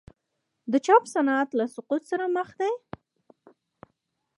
د چاپ صنعت له سقوط سره مخ دی؟